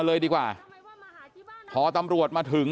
เดี๋ยวให้กลางกินขนม